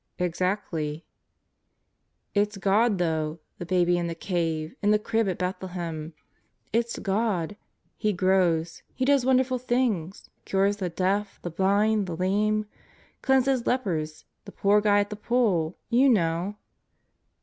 "Exactly." "It's God though the Baby in the cave, in the Crib at Bethlehem ... it's God. He grows. He does wonderful things. Cures the deaf, the blind, the lame; cleanses lepers, the poor guy at the pool, you know.